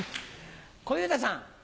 小遊三さん。